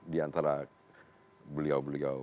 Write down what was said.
di antara beliau beliau